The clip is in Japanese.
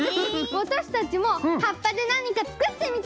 わたしたちもはっぱでなにかつくってみたい！